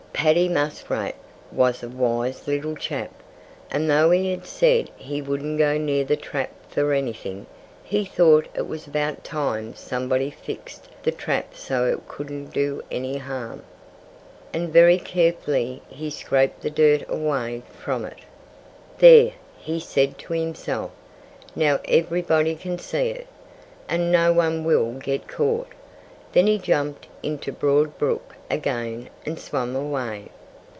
Paddy Muskrat was a wise little chap. And though he had said he wouldn't go near the trap for anything, he thought it was about time somebody fixed the trap so it couldn't do any harm. And very carefully he scraped the dirt away from it. "There!" he said to himself. "Now everybody can see it. And no one will get caught." Then he jumped into Broad Brook again and swam away.